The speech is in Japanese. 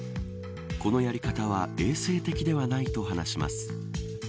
このやり方は衛生的ではないと話します。